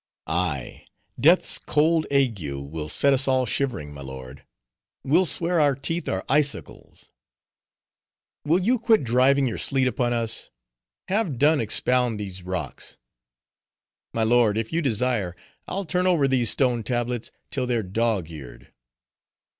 "Ay, death's cold ague will set us all shivering, my lord. We'll swear our teeth are icicles." "Will you quit driving your sleet upon us? have done expound these rocks." "My lord, if you desire, I'll turn over these stone tablets till they're dog eared."